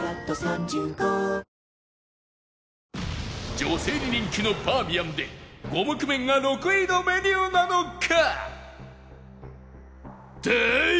女性に人気のバーミヤンで五目麺が６位のメニューなのか？